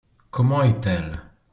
Comment est-elle ?